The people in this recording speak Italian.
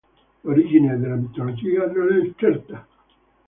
L'origine della mitologia non è certa.